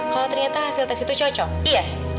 kalau ternyata hasil tes itu cocok iya